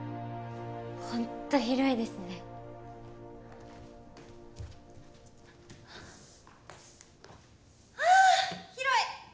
ホント広いですねはあっ広い！